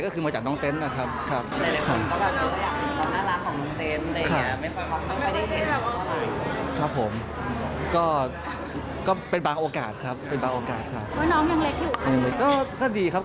เขาเห็นว่าตามใจให้ขนมค่ะ